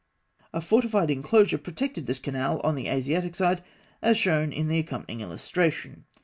A fortified enclosure protected this canal on the Asiatic side, as shown in the accompanying illustration (fig.